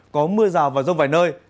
có mưa rào vào rông vài nơi